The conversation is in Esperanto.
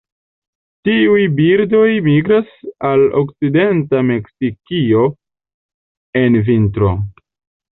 Tiuj birdoj migras al okcidenta Meksikio en vintro.